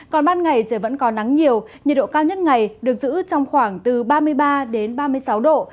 còn ban ngày trời vẫn có nắng nhiều nhiệt độ cao nhất ngày được giữ trong khoảng từ ba mươi ba đến ba mươi sáu độ